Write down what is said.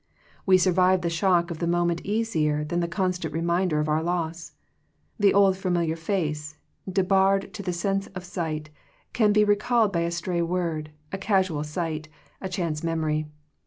We survive the shock of the moment easier than the constant reminder of our loss. The old familiar face, de barred to the sense of sight, can be re called by a stray word, a casual sight, a chance memory.